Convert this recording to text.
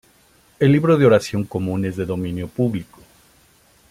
El Libro de Oración Común es de dominio público.